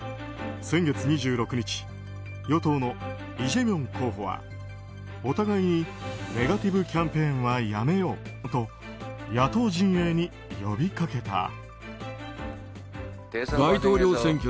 先月２６日与党のイ・ジェミョン候補はお互いにネガティブキャンペーンはやめようと野党陣営に呼びかけた。